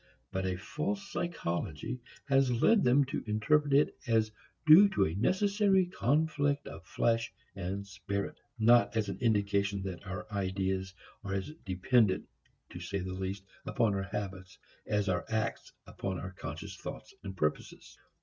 But a false psychology has led them to interpret it as due to a necessary conflict of flesh and spirit, not as an indication that our ideas are as dependent, to say the least, upon our habits as are our acts upon our conscious thoughts and purposes.